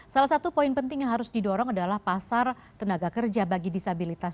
salah satu poin penting yang harus didorong adalah pasar tenaga kerja bagi disabilitas